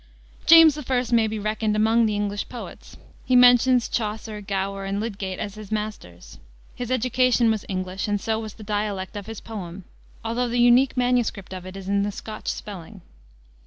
James I. may be reckoned among the English poets. He mentions Chaucer, Gower, and Lydgate as his masters. His education was English, and so was the dialect of his poem, although the unique MS. of it is in the Scotch spelling.